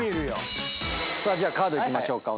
じゃあカードいきましょうか。